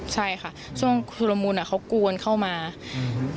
ใช่ค่ะช่วงชุลมูลอ่ะเขากวนเข้ามาอืม